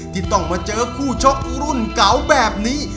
ที่ต้องมาเจอคู่ชกรุ่นเก่าแบบนี้